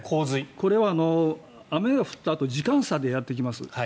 これは雨が降ったあと時間差でやってきます。